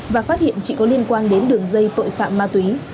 và phát hiện chị có liên quan đến đường dây tội phạm ma túy